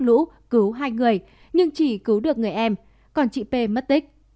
nước lũ cứu hai người nhưng chỉ cứu được người em còn chị pê mất tích